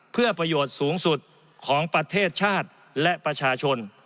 เพื่อประโยชน์สูงสุดของประเทศชาติและประชาชน